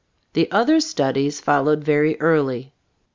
The other studies followed very early.